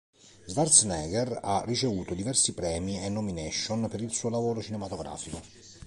Schwarzenegger ha ricevuto diversi premi e nomination per il suo lavoro cinematografico.